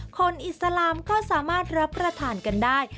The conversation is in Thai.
อิสลามก็สามารถรับประทานกันได้